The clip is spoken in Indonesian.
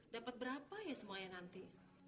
dapat berapa ya nanti